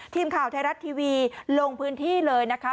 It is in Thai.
ทีมข่าวไทยรัฐทีวีลงพื้นที่เลยนะคะ